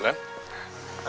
udah questions ya